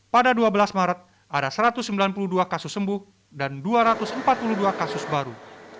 pada dua belas maret ada satu ratus sembilan puluh dua kasus sembuh dan dua ratus empat puluh dua kasus baru